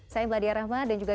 saya meladia rahma dan juga